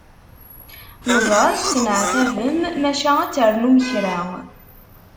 Neẓra tettenɛettabem maca ad ternum kra.